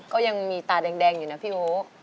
ก็ยังมีตาแดงอยู่นะพี่โอ